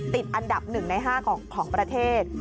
ติดอันดับ๑ใน๕ของประเทศ